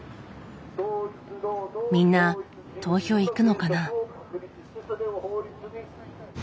みんな投票行くのかな。